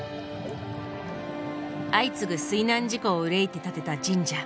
相次ぐ水難事故を愁いて建てた神社。